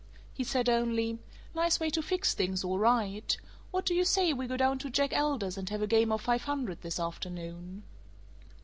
He said only: "Nice way to fix things, all right. What do you say we go down to Jack Elder's and have a game of five hundred this afternoon?"